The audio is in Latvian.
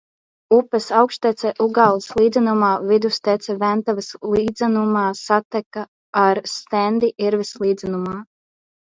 Upes augštece Ugāles līdzenumā, vidustece Ventavas līdzenumā, sateka ar Stendi – Irves līdzenumā.